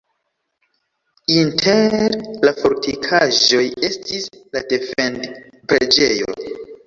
Inter la fortikaĵoj estis la defend-preĝejo.